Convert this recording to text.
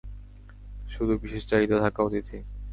শুধু বিশেষ চাহিদা থাকা অতিথি।